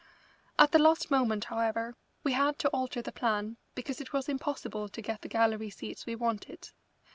At the last moment, however, we had to alter the plan because it was impossible to get the gallery seats we wanted.